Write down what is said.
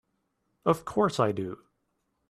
Of course I do!